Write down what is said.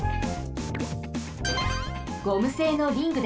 ゴムせいのリングです。